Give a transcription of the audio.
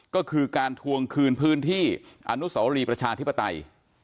ก็คือการทวงคืนพื้นที่อนุสวรีประชาธิปไตย